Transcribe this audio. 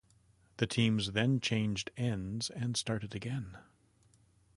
The teams then changed ends and started again.